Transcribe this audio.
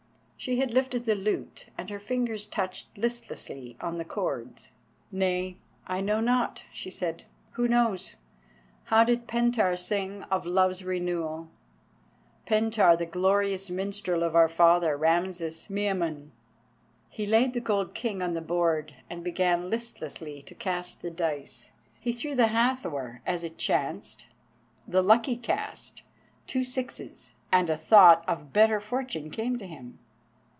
She had lifted the lute and her fingers touched listlessly on the cords. "Nay, I know not," she said; "who knows? How did Pentaur sing of Love's renewal, Pentaur the glorious minstrel of our father, Rameses Miamun?" He laid the gold king on the board, and began listlessly to cast the dice. He threw the "Hathor" as it chanced, the lucky cast, two sixes, and a thought of better fortune came to him.